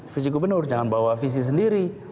visi gubernur jangan bawa visi sendiri